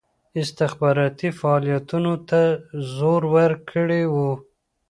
استخباراتي فعالیتونو ته زور ورکړی وو.